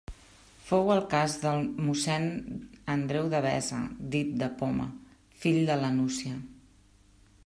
Fou el cas de mossén Andreu Devesa, dit de Poma, fill de la Nucia.